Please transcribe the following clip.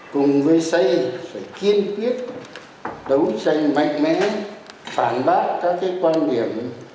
cùng với xây phải kiên quyết đấu tranh mạnh mẽ phản bác các cái quan điểm